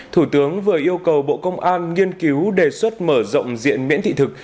thủ tướng vừa yêu cầu bộ công an nghiên cứu đề xuất mở rộng diện miễn thị thực